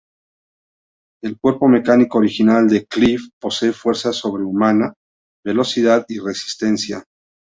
El cuerpo mecánico original del Cliff posee fuerza sobrehumana, velocidad y resistencia.